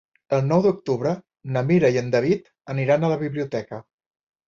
El nou d'octubre na Mira i en David aniran a la biblioteca.